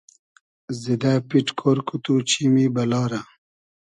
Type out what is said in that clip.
زیدۂ پیݖ کۉر کو تو چیمی بئلا رۂ